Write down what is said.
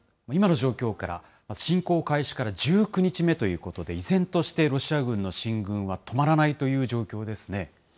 今の状況から、侵攻開始から１９日目ということで、依然としてロシア軍の進軍は止まらないという状況ですね。